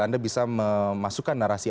anda bisa memasukkan narasi